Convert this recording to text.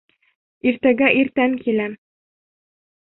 — Иртәгә иртән киләм.